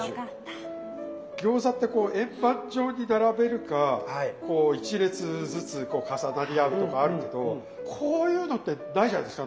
餃子ってこう円盤状に並べるかこう１列ずつ重なり合うとかあるけどこういうのってないんじゃないですか？